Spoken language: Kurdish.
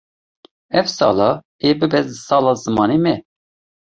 Ev sala ew ê bibe sala zimanê me.